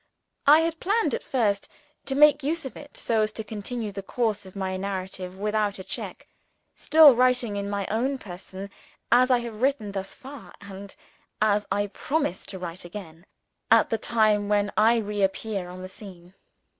I had planned at first to make use of it, so as to continue the course of my narrative without a check; still writing in my own person as I have written thus far; and as I propose to write again, at the time when I reappear on the scene.